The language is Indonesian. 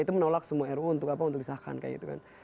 itu menolak semua ru untuk apa untuk disahkan